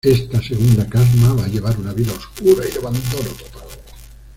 Esta segunda Casma va a llevar una vida oscura y de abandono total.